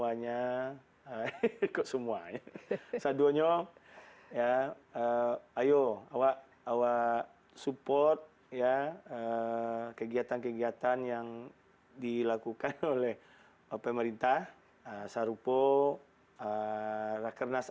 hai ayo awak awak support ya kegiatan kegiatan yang dilakukan oleh pemerintah sarupo rakernas